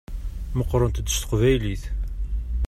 Meqqṛent-d s teqbaylit.